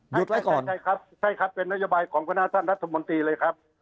หยุดไว้ก่อนใช่ครับเป็นนโยบายของคุณอาจารย์รัฐมนตรีเลยครับ